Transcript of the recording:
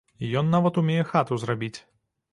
Ён нават умее хату зрабіць.